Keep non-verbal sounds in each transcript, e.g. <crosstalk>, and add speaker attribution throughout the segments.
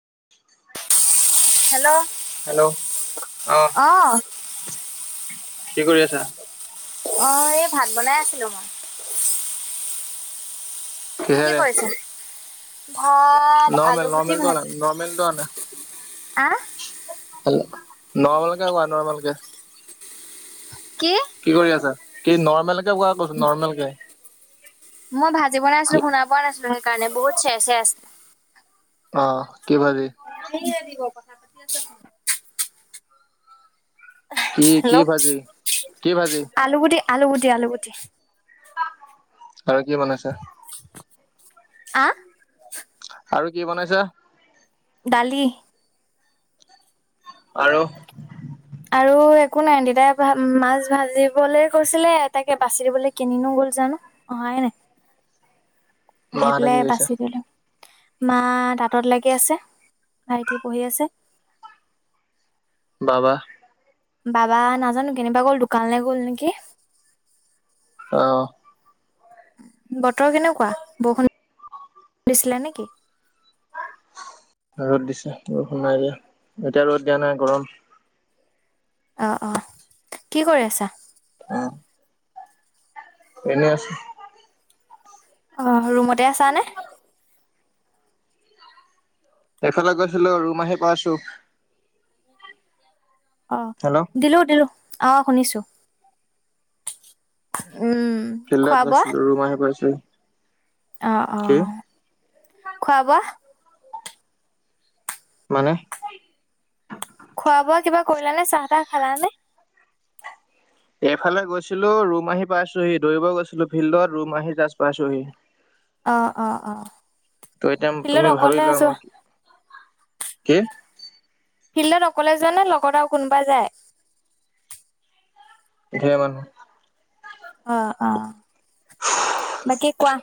Speaker 1: <inaudible>
Speaker 2: Hello,
Speaker 1: hello
Speaker 2: অ'।
Speaker 1: কি কৰি আছা?
Speaker 2: অ', এই ভাত বনাই আছিলো মই। কি
Speaker 1: কিহেৰে
Speaker 2: কৰিছা? ভাত
Speaker 1: নৰ্মেল
Speaker 2: আলুগুটি
Speaker 1: নৰ্মেল ধ
Speaker 2: ভাজি
Speaker 1: নৰ্মেল টো আনা
Speaker 2: আহ।
Speaker 1: নৰ্মাল কে হোৱা নৰ্মাল কে। কি কৰি আছা কি নৰ্মেল? ক কৈছো নৰ্মেল কে।
Speaker 2: মই ভাল। আজি বনাই আছিলো শুনাব ন আছিলো সেইকাৰণে বু চে চে আছে
Speaker 1: অ 'কি ভালি
Speaker 2: নাইে দিব কথা পাতি আছে।
Speaker 1: কি
Speaker 2: হেল্ল'
Speaker 1: কি ভাজি কি ভাজি
Speaker 2: আলু গুটি আলুগুটি আলুগুটি।
Speaker 1: আৰু কি বনাইছা?
Speaker 2: আহ
Speaker 1: আৰু কি বনাইছা?
Speaker 2: ডালি।
Speaker 1: আৰু
Speaker 2: আৰু একো নাই দেতাই মাছ ভাজিবলৈ কৈছিলে তাকে বাচি দিবলৈ কিনিনো গ'ল জানো অহাই নাই। আহি
Speaker 1: মাহঁতে কি
Speaker 2: পেলাই
Speaker 1: কৰিছে
Speaker 2: বাচি দিলো। মা তাঁতত লাগি আছে ভাইটি পঢ়ি আছে।
Speaker 1: বাবা।
Speaker 2: বাবা নাজানো কেনিবা গ'ল দোকানলৈ গ'ল নেকি?
Speaker 1: আহ
Speaker 2: বতৰ কেনেকুৱা বৰষুণ দিছিলে নেকি?
Speaker 1: ৰ'দ দিছে বৰষুণ নাই দিয়া এতিয়া ৰ'দ দিয়া নাই গৰম
Speaker 2: অ- অ কি কৰি আছা
Speaker 1: অ' এনে আছো।
Speaker 2: অ' ৰুমতে আছা নে?
Speaker 1: এইফালে গৈছিলো ৰুম আহি পাইছোঁ।
Speaker 2: অ দিলো উ দিলো আহ শুনিছো উম খোৱা
Speaker 1: ফিল্ডত
Speaker 2: বোৱা
Speaker 1: গইছিলো ৰুম আহি পাইচো
Speaker 2: অ অ খোৱা বোৱা
Speaker 1: মানে
Speaker 2: খোৱা বোৱা কিবা কৰিলা নে চাহ তাহ খালা নে
Speaker 1: এইফালে গৈছিলো ৰুমাহি পাইছোহি দৌৰিব গৈছিলো ফিল্ডত ৰুমাহী জাজ পাইছোহি
Speaker 2: অ অ অ
Speaker 1: ত এতি
Speaker 2: ফিল্ডত
Speaker 1: তুমি
Speaker 2: অকলে
Speaker 1: ভাবিলোৱা
Speaker 2: যোৱা
Speaker 1: মাৰ কি
Speaker 2: ফিল্ডত অকলে যোৱা নে লগত আৰু কোনোবা যায়
Speaker 1: ধ মানহ
Speaker 2: অ অ বাকে কোৱা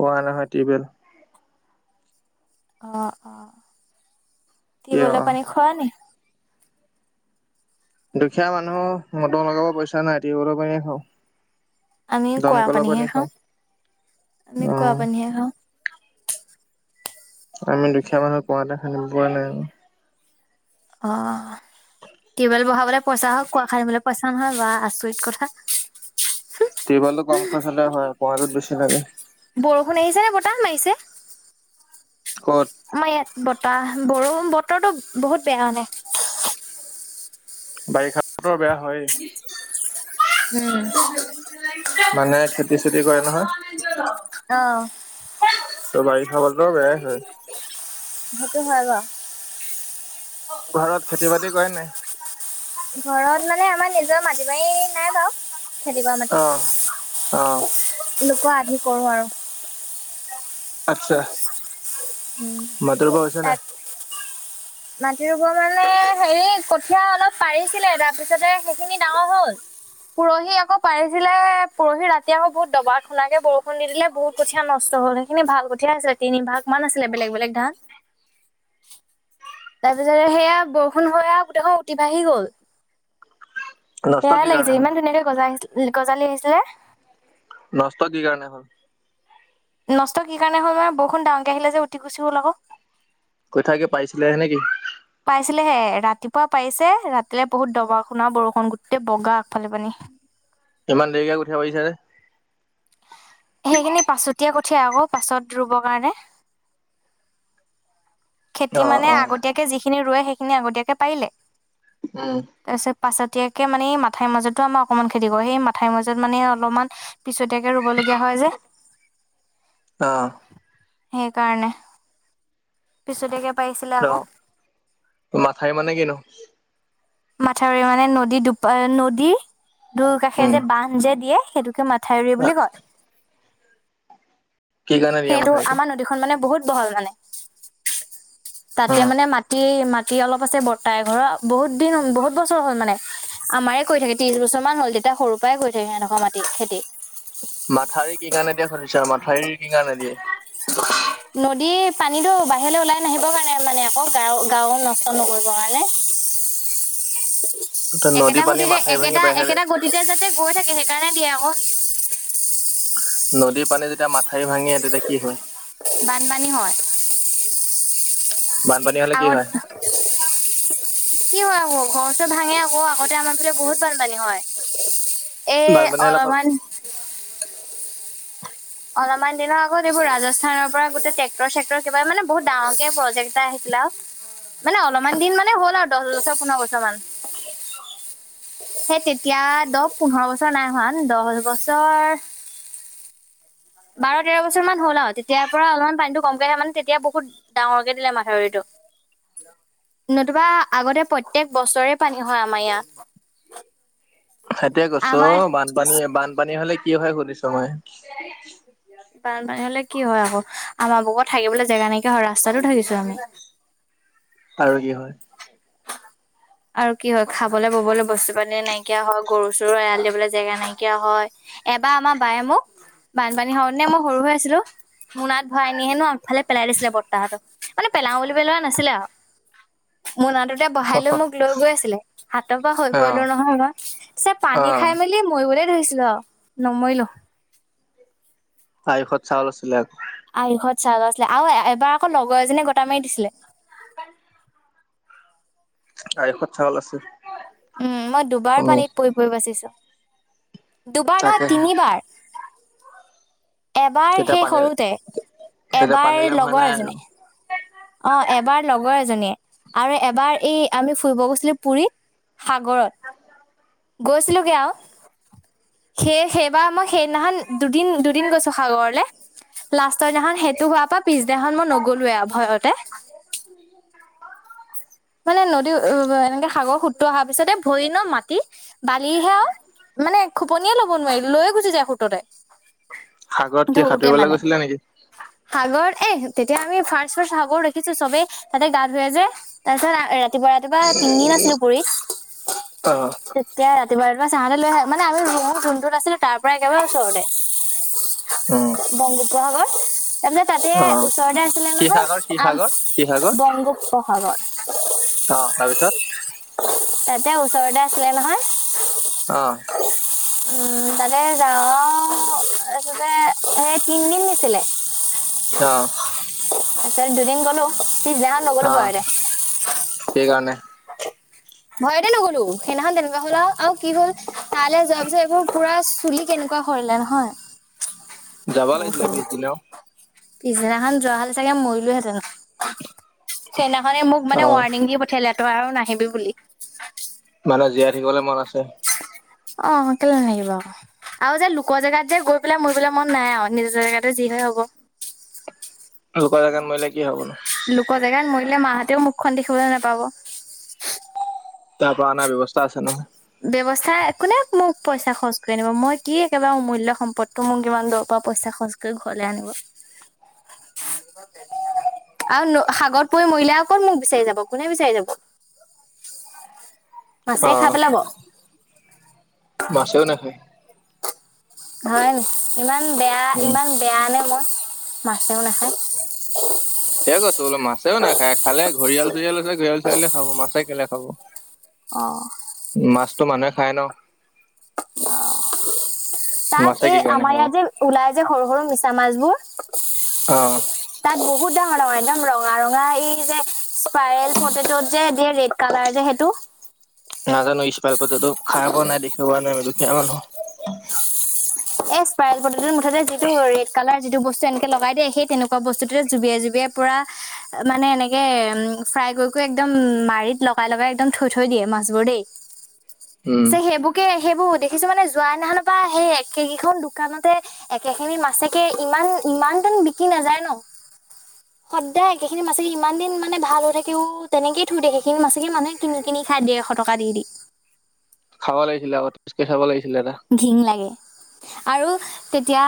Speaker 1: কোৱা নহয় টিউবেল
Speaker 2: অ অ
Speaker 1: কি অ
Speaker 2: তিউবেলৰ পানী খোৱা নি
Speaker 1: দুখীয়া মানুহ মটৰ লগাব পইচা নাই তি কৰিব পানে খাওঁ
Speaker 2: আমি কুঁৱা
Speaker 1: দমকলৰ
Speaker 2: পানীহে
Speaker 1: পানী
Speaker 2: খাওঁ আমি কুঁৱা
Speaker 1: উম
Speaker 2: পানীহে খাওঁ।
Speaker 1: আমি দুখীয়া মানুহ কুঁৱা খান্দি পোৱা নাই ক
Speaker 2: অ টউবেল বহাবলে পইচা হওক কোৱা খাই মলে পইচা নহয় বা আচৰিত কথা
Speaker 1: সেইবাবে
Speaker 2: বৰষুণ আহিছে নে বতাহ মাৰিছে
Speaker 1: ক'ত
Speaker 2: আমাৰ ইয়াত ব তাহ বৰষূণ বতৰটো বহুত বেয়া মানে
Speaker 1: বাৰিষাতো বেয়া হয়
Speaker 2: উম
Speaker 1: <unintelligible> মানে খেতি চেতি কৰে
Speaker 2: অ'
Speaker 1: <unintelligible> ত বাৰী খাবৰটো
Speaker 2: সেইটো হয় ব
Speaker 1: ঘৰত খেতি বাতি কৰে নাই
Speaker 2: ঘৰত মানে আমাৰ নিজৰ মাটি বাৰী নাই বাৰু খেতি কৰা মাটি
Speaker 1: অ অ
Speaker 2: হি কৰোঁ আৰু
Speaker 1: আচ্ছা
Speaker 2: উম
Speaker 1: মাতৰ পৰা হৈছে নাই
Speaker 2: তাত মাটি ৰুবৰ মানে হেৰি কঠিয় অলপ পাৰিছিলে তাৰপিছতে সেইখিনি ডাঙৰ হল, পৰহি আকৌ পাৰিছিলে পৰহি ৰাতি আকৌ বহুত দবা খুনাকে বৰষুণ দি দিলে বহুত কঠিয়া নষ্ট হল, সেইখিনি ভাল কঠীয়া আছিলে তিনিভাগ মান আছিলে বেলেগ বেলেগ ধান। তাৰপিছতে সেইয়া বৰষুণ হৈ আৰু গোতেই উতি বাঢ়ি গল।
Speaker 1: নষ্ট
Speaker 2: বেয়া
Speaker 1: কি কাৰণে
Speaker 2: লাগিছে
Speaker 1: হ'ল
Speaker 2: ইমান ধুনীয়াকে গজ গজালি আহিছে। যে
Speaker 1: নস্ত কি কাৰণে হল?
Speaker 2: নষ্ট কি কাৰণে হ'ল মানে বৰষুণ ডাঙকে আহিলে যে উঠি গুচি হ'ল আকৌ।
Speaker 1: কঠিয়া কি পাইছিলে নেকি?
Speaker 2: পাইছিলেহে ৰাতিপুৱা পাৰিছে, ৰাতিলেলৈ বহুত দবা শুনা বৰষুণ গোটেই বগা আগফালি পানী
Speaker 1: ইমান দেৰিকে কঠিয়া পাৰিছা যে?
Speaker 2: সেইখিনি পাছতি উঠিয় আকৌ পাছত ৰুবৰ কাৰণে। খেতি
Speaker 1: অ
Speaker 2: মানে
Speaker 1: অ
Speaker 2: আগতীয়াকে যিখিনি ৰোৱে সেই খিনি আগতীয়াকে পাৰিলে।
Speaker 1: উম।
Speaker 2: পাছতিয়াকে মানে মাথৰ মাজতো আমাৰ অকণমান খেতি কৰো সেই মথাইৰ মাজত মানে অলপমান পিছতাকে ৰুব লগগীয়া হয় যে।
Speaker 1: অ
Speaker 2: সেইকাৰণে। পিছতে
Speaker 1: অ' মাথাই মানে কিনো?
Speaker 2: মাথাউৰি মানে নদী দুপ নদী দূৰ কাষে
Speaker 1: উম
Speaker 2: যে বান্ধ যে দিয়ে। সেইটোকে ম মথাউৰি বুলি কয়।
Speaker 1: কি কাৰণে দিয়া
Speaker 2: সেইটো
Speaker 1: মাথাউৰিটো উম
Speaker 2: আমাৰ নদীখন মানে বহুত বহল মানে তাতে মানে মাটি ম বাকী অলপ আছে বৰ্তাই ঘৰৰ বহুত দিন বহুত বছৰ হ'ল, মানে, আমাৰে কৈ থাকে ত্ৰিশ বছৰমানান হ'ল তেতিয়া সৰুৰ পৰাই কৰি থাকে সনেকুৱা মাটি খেতি।
Speaker 1: মাথাউৰি কি কাৰণে দিয়া <unintelligible> মথাউৰি কি কাৰণে দিয়ে?
Speaker 2: নদী পানীতো বাহিৰলৈ ওলাই নাহিবৰ কাৰণে মানে আকৌ গাও গাও নষ্ট নকৰিব কাৰণে।
Speaker 1: নদী
Speaker 2: একেটা
Speaker 1: পানী
Speaker 2: গতিতে,
Speaker 1: মাথাউৰি ভাঙি
Speaker 2: একেটা
Speaker 1: বাহিৰলে
Speaker 2: একেটা গতিতে যাতে গৈ থাকে সেইকাৰণে দিয়ে। অ'।
Speaker 1: নদীৰ পানী যেতিয়া মাথা মথাউৰি ভাঙি তেতিয়া কি হয়?
Speaker 2: বানপানী
Speaker 1: বানপানী হলে কি হয়
Speaker 2: আৰুত কি হয় আকৌ, ঘৰ চ ভাঙে আকৌ আগতে আমাৰ বি বহুত বানপানী হয় এই
Speaker 1: বাৰ মনল <inaudible>
Speaker 2: অলপমান অলপমান দিনৰ আগত এইবোৰ ৰাজস্থানৰ পৰা গোটেই ট্ৰেক্টৰ চেক্টৰ কিবা মানে বহুত ডাঙকে প্ৰজেক্ এটা আহিছিলে মানে অলপমান দিন মানে হ'ল আৰু দহ বছৰ পোন্ধৰ বছৰ মান সেই তেতিয়া দহ পোন্ধৰ বছৰ নাই হোৱা দহ বছৰ বাৰ তেৰ বছৰ মান হ'ল আৰু তেতিয়াৰ পৰা অলপমান পানীটো কমকে থে মানে তেতিয়া বহুত ডাঙৰকে দিলে মাথাউৰিটো নতুবা আগতে প্ৰত্যয়েক বছৰে পানী হয় আমাৰ ইয়াত
Speaker 1: সেইযতোই কৈছো,
Speaker 2: আমাৰ
Speaker 1: অ বানপানীয়ে বানপানী হলে কি হয় সোধিছো মই
Speaker 2: বানপানী হলে কি হয় আকৌ আমাৰ বুগত থাকিবলৈ জেগা নাইকিয়া হয় ৰাস্তাতটো থাকিছো আমি
Speaker 1: আৰু কি হয়
Speaker 2: আৰু কি হয় খাবলৈ ববলৈ বস্তু পাতি নাইকিয়া হয় গৰু চৰু এৰাল দিবলৈ জেগা নাইকিয়া হয় এবাৰ আমাৰ বায়ে মোক বানপানী হ নে মই সৰু হৈ আছিলো মোনাত ভৰাই নি হেনো আনফালে পেলাই দিছিলে বৰ্তাহটো মানে পেলাও বুলিব লোৱা নাছিলে আৰু মোৰ নত বহাইলৈ মোক লৈ গৈ আছিলে হাতৰ পৰা হৈ সৰি
Speaker 1: অ
Speaker 2: পৰিলো নহয় মই পিছে
Speaker 1: অ
Speaker 2: পানী খাই মেলি মই ধৰিছিলা নমৰিলো
Speaker 1: আয়ুষত চাউল আছিলে
Speaker 2: আয়ুষত চাহ য আছিলে আৰু এবাৰ আকৌ লগৰ এজনীয়ে গোটা মাৰি দিছিলে
Speaker 1: <inaudible> আয়ুখত চাউল আছে।
Speaker 2: উম মই দুবাৰ
Speaker 1: তুমি
Speaker 2: পানীত পৰি পৰি বাচিছো দুবাৰ নহয়
Speaker 1: তাকেহে
Speaker 2: তিনিবাৰ। এবাৰ
Speaker 1: তেতিয়া
Speaker 2: সেই
Speaker 1: পানী
Speaker 2: সৰুতে।
Speaker 1: তেতিয়া
Speaker 2: এবাৰ
Speaker 1: পানীলাও হোৱা
Speaker 2: লগৰ
Speaker 1: নাই আৰু
Speaker 2: এজনীয়ে অ এবাৰ লগৰ এজনীয়ে আৰু এবাৰ এই আমি ফুৰিব গৈছিলো পুুৰীত সাগৰত গৈছিলোোগে আৰু সেই সেইবাৰ মই সেইদিনাখন দুদিন দু গৈছ সাগৰ লা দিনাখন সেইটো হোৱাৰ পৰা পিছদিনাখন মই নগ'লোোৱে ভয়তে মানে নদী ভৰিণ মাটি বালিহাও মানে <inaudible> যায় সোততে
Speaker 1: সাগৰত কি
Speaker 2: ধৰোতে
Speaker 1: সাঁতুৰিবলৈ
Speaker 2: মানে
Speaker 1: গৈছিলা নেকি?
Speaker 2: সাগৰ এ তেতিয়া আমি ফাষ্ট ফাষ্ট সাগৰ দেখিছো চবেই তাতে গা ধুৱে যে তছ ৰাতিপুৱা ৰাতিপুৱা তিনিদিন আছিলো পৰি
Speaker 1: অ
Speaker 2: তেতিয়া ৰাতিপা বাৰ চাহতে লৈ আহ মানে আমি ৰোমটো যোনটোত আছিলে তাৰ পৰা একেবাৰে ওচৰতে
Speaker 1: উম
Speaker 2: বংগোপ্ৰহাগৰ তাৰপিছত তাতে
Speaker 1: অ
Speaker 2: ওচৰতে আছিলে
Speaker 1: কি
Speaker 2: নহয়
Speaker 1: সাগৰ কি
Speaker 2: আ
Speaker 1: সাগৰ কি সাগৰ
Speaker 2: বংগোপ্ৰসাগৰ
Speaker 1: অ' তাৰপিছত
Speaker 2: তাতে ওচৰতে আছিলে নহয়।
Speaker 1: অ'।
Speaker 2: উম তাতে যা তাৰপিছতে, সেই তিনদিন দিছিলে।
Speaker 1: অহ।
Speaker 2: তাতে দুদিন গ'লো। সি যা নগ'লো ভয়তে
Speaker 1: সেই কাৰণে
Speaker 2: ভয়তে নগলো সেইদিনাখন তেনেকুৱা হ'ল আৰু আৰু কি হ'ল তালৈ যোৱাৰ পিছত এইবোৰ পুৰা চুলি কেনেকুৱা কৰিলে নহয়।
Speaker 1: যাব লাগিছিলে
Speaker 2: বহুত
Speaker 1: পিছদিনাও
Speaker 2: পিছদিনাখন যোৱা হ'লে চাগে মৰিলোহেঁতেন! সেইদিনাখনে মোক
Speaker 1: অ
Speaker 2: মানে ৱৰ্ণিং দি পঠিয়ালে। নাহিবি বুলি
Speaker 1: থাকিবলে মন আছে।
Speaker 2: অ' কেলে ন লাগিব আকৌ আৰু যে লোকৰ জেগাত যে গৈ পেলাই মৰিবলৈ মন নাই আৰু নিজৰ জেগাতে যি হৈ হ'ব।
Speaker 1: লোকৰ জেগাত মৰিলে কি হ'ব নহয়।
Speaker 2: লোক জেগাত মৰিলে মাহঁতেও মুখখন দেখিবলৈ নোপাব।
Speaker 1: তাৰ পৰা অনাৰ ব্যৱস্থা আছে নহয়।
Speaker 2: ব্যৱস্থা কোনে মোক পইচা খৰচ কৰি আনিব মই কি একেবাৰে অমূল্য সম্পদটো, মোক ইমান দূৰৰ পৰা পইচা খৰচ কৰি ঘৰলে আনিব আৰু সাগৰত পৰি মৰিলে অ' ক'ত মোক বিচাৰি যাব কোনে বিচাৰি যাব?
Speaker 1: অ
Speaker 2: মাছে খাই পেলাব।
Speaker 1: মাছেও নাখায়
Speaker 2: হয় ন ইমান। ইমান বেয়া, ইমান বেয়া নে মই মাছ।
Speaker 1: তেই কৈছো বোলে মাছেও নাখায়, খালে ঘৰিয়াল- চৰিয়াল আছে, ঘৰিয়াল-চৰিয়ালে খাব, মাছে কেনে খাব হ'ব।
Speaker 2: অ'।
Speaker 1: তটো মানুহে খায় ন'।
Speaker 2: তাত
Speaker 1: মাছে
Speaker 2: এই
Speaker 1: কি কাৰণে
Speaker 2: আমাৰ
Speaker 1: খাব
Speaker 2: ইয়াত যে ওলাই যে সৰু, সৰু মিছা মাছ বোৰ
Speaker 1: অ'।
Speaker 2: বহুত একদম ৰঙা, একদম ৰঙা-ৰঙা, এই যে স্পাইৰেল পটেটোত যে দিয়ে, ৰেড কালাৰ যে সেইটো।
Speaker 1: নাজানো কলপাততো খাই পোৱা নাই দে হোৱা নাই মই দুখীয়া মানুহ।
Speaker 2: এ স্পাইৰেল পটেতো মুঠতে যিটো ৰেড কালাৰ যিটো বস্তু এনেকে লগাই দিয়ে, সেই তেনেকুৱা বস্তুতে জুবিয়াই-জুবিয়াই পুৰা মানে, এনেকে উ ফ্ৰাই কৰি কৰি একদম মাৰিত লগাই লগাই একদম থৈ থৈ দিয়ে, মাছবোৰ দেই
Speaker 1: উম
Speaker 2: যে সেইবোৰক সেইবোৰ দেখিছো মানে যোৱাই সেইনাখনৰ পৰা সে সেইকেইখন দোকানতে একেখিনি মাছেকে ইমান ইমান দিন বিকি নাযায় ন, সদায় একেখিনি মাছেকে ইমান দিন মানে ভাল হৈ থাকেও, তেনেকেই থৈ দিয়ে সেইখিনি মাছেকে মানুহে কিনি কিনি খাই দিয়ে এশ টকা দি দি।
Speaker 1: খাব লাগিছিল আকৌ <unintelligible> খাব লাগিছিল।
Speaker 2: ঘিন লাগে। আৰু তেতিয়া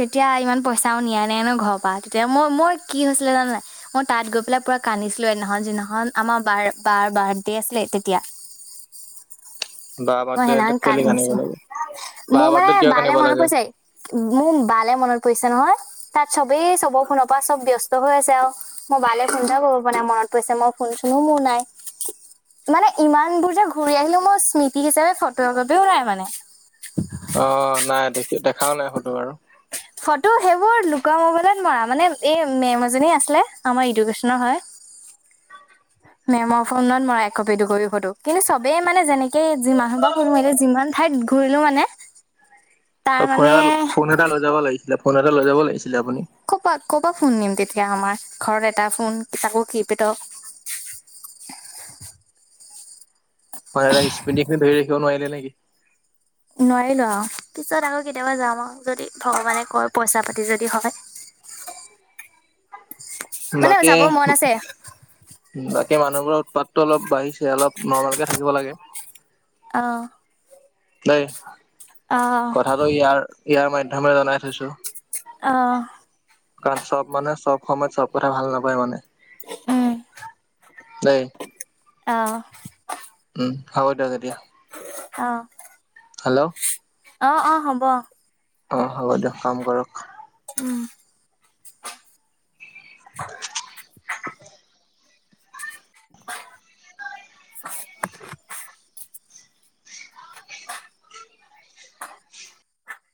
Speaker 2: তেতিয়া ইমান পইচাও নিয়া নাই ন ঘৰৰ পৰা তেতিয়া মই মই কি হৈছিলে জানানাই মই তাত গৈ পেলাই পুৰা কান্দিছিলো সদিনাখনখন যিদিখন আমাৰ বাৰ বাৰ বাৰ্থডে আছিলে তেতিয়া।
Speaker 1: বা
Speaker 2: মই
Speaker 1: বাৰ্থডে
Speaker 2: সেইদিনাখন
Speaker 1: কেলে কান্দিব
Speaker 2: কান্দিছো,
Speaker 1: লাগে বা
Speaker 2: মোৰ মানে
Speaker 1: বাৰ্থডেত কিয়
Speaker 2: বালে
Speaker 1: কান্দিব
Speaker 2: মনত
Speaker 1: লাগে
Speaker 2: পৰিছে মোৰ বালে মনত পৰিছে। নহয় তাত চবেই চবৰ ফোনৰ পৰা চব ব্স্ত হৈ আছে আৰু মোৰ বালে ফোনটা কব পৰা নাই মনত পৰিছে মই ফোন চোনো মোৰ নাই মানে ইমান দোৰ যে ঘূৰি আহিলো মই স্মৃতি হিচাপে ফটো একোপিও নাই মানে।
Speaker 1: অ' নাই দেখি দেখাও নাই ফোটো বাৰু।
Speaker 2: ফটো সেইবোৰ লোকৰ মোবাইলত মৰা, মানে, এই মেম এজনি আছিলে আমাৰ ইডুকেশনৰ হয় মেমৰ ফোনত মৰা একপি দুকপি ফটো কিন্তু চবেই মানে যেনেকেি মানুহ পৰা ফোন মিলো যিমান ঠাইত ঘূৰিলো মানে।
Speaker 1: ত
Speaker 2: তাৰ
Speaker 1: ফোন
Speaker 2: মানে
Speaker 1: এ ফোন এটা লৈ যাব লাগিছিল। ফোন এটা লৈ যাব লাগিছিল আপুনি।
Speaker 2: কৰ পৰা কৰ পৰা ফোন নিম তেতিয়া আমাৰ ঘৰত এটা ফোন তাকো কি পট
Speaker 1: স্মৃতিটো ধৰি ৰাখিব নোৱাৰিলে নে কি?
Speaker 2: নোৱাৰিলো আৰু, পিছত আকৌ কেতিয়াবা যাম আৰু, যদি ভগৱানে কয় পইচা-পাতি যদি হয়। মানে
Speaker 1: বাকী,
Speaker 2: যাব মন আছে?
Speaker 1: বাক এই মানুহবোৰৰ উৎপাতটো অলপ বাঢ়িছে অলপ নৰ্মালকে থাকিব লাগে।
Speaker 2: আহ।
Speaker 1: নাই। কথাটো ইয়াৰ, ইয়াৰ মান <unintelligible> জনাই থৈছো।
Speaker 2: অ'।
Speaker 1: কাৰণ চব মানুহে চব সময়ত চব কথা ভাল নাপায় মানে।
Speaker 2: উম,
Speaker 1: দে
Speaker 2: আহ।
Speaker 1: হ'ব দিয়ক এতিয়া।
Speaker 2: অ',
Speaker 1: হেল্ল'।
Speaker 2: অ' অ', হ'ব।
Speaker 1: অ' হ'ব দিয়ক, কাম কৰক। <inaudible>
Speaker 2: <inaudible>